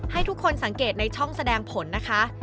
ให้ทุกคนสังเกตในช่องแสดงผลนะคะ